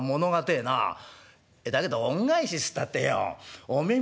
だけど恩返しったってよおめえ